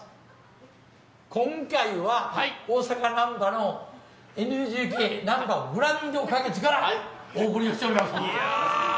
今回は、大阪・なんばのＮＧＫなんばグランド花月からお送りしております。